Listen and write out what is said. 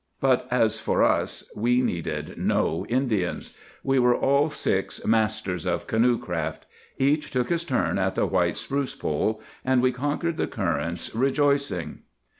But as for us, we needed no Indians. We were all six masters of canoe craft. Each took his turn at the white spruce pole; and we conquered the currents rejoicing.